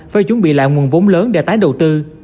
phải chuẩn bị lại nguồn vốn lớn để tái đầu tư